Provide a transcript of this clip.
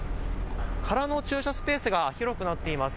空の駐車スペースが広くなっています。